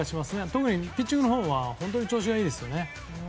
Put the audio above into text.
特にピッチングのほうは本当に調子がいいですよね。